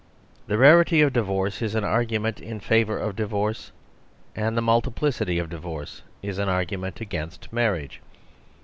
The rarity of divorce is an argu ment in favour of divorce; and the multiplic ity of divorce is an argument against mar riage.